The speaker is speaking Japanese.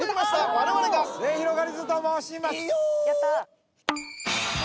我々がすゑひろがりずと申しますイヨ！